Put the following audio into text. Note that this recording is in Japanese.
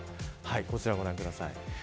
こちらご覧ください。